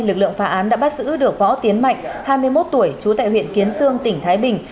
lực lượng phá án đã bắt giữ được võ tiến mạnh hai mươi một tuổi trú tại huyện kiến sương tỉnh thái bình